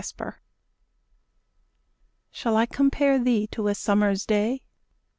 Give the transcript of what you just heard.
XVIII Shall I compare thee to a summer's day?